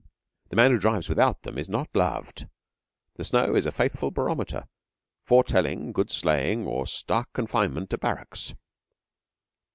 The man who drives without them is not loved. The snow is a faithful barometer, foretelling good sleighing or stark confinement to barracks.